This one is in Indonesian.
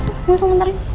nggak usah nanti